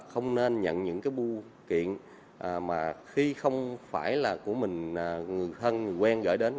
không nên nhận những cái bưu kiện mà khi không phải là của mình người thân người quen gửi đến